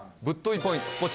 ぶっとびポイント